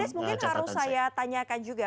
pak iris mungkin harus saya tanyakan juga